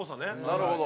なるほど。